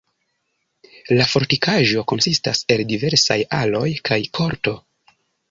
La fortikaĵo konsistas el diversaj aloj kaj korto.